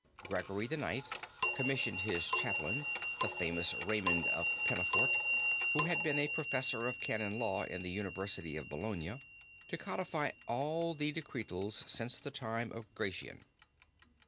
Gregory IX. commissioned his chaplain, the famous Raymond of Pennafort, who had been a professor of canon law in the University of Bologna, to codify all the decretals since the time of Gratian.